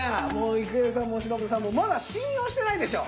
郁恵さんも忍さんもまだ信用してないでしょう。